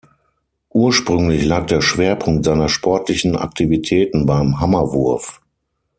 Ursprünglich lag der Schwerpunkt seiner sportlichen Aktivitäten beim Hammerwurf.